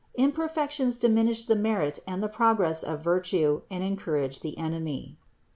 Imperfections diminish the merit and the progress of virtue, and encourage the enemy.